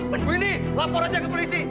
bu ini lapor aja ke polisi